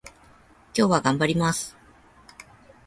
今日は頑張ります